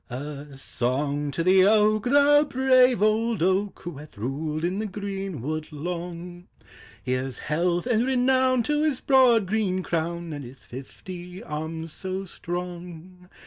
A song to the oak, the brave old oak, W T ho hath ruled in the greenwood long; Here ? s health and renown to his broad green crown, And his fifty arms so strong.